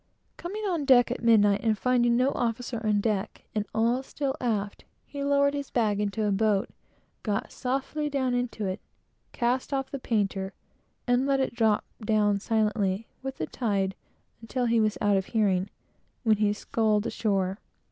Coming on deck, at midnight, and finding no officer on deck, and all still aft, he lowered his bag into a boat, got softly down into it, cast off the painter, and let it drop silently with the tide until he was out of hearing, when he sculled ashore.